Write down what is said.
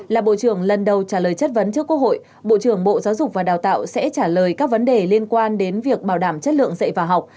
là bộ trưởng lần đầu trả lời chất vấn trước quốc hội bộ trưởng bộ giáo dục và đào tạo sẽ trả lời các vấn đề liên quan đến việc bảo đảm chất lượng dạy và học